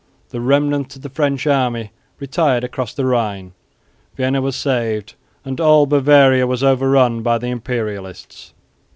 The remnant of the French army retired across the Rhine. Vienna was saved, and all Bavaria was overrun by the Imperialists.